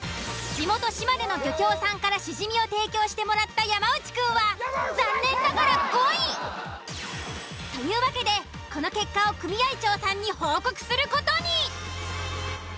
地元・島根の漁協さんからシジミを提供してもらった山内くんは残念ながら５位。というわけでこの結果を組合長さんに報告する事に。